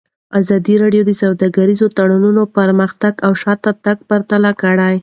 ازادي راډیو د سوداګریز تړونونه پرمختګ او شاتګ پرتله کړی.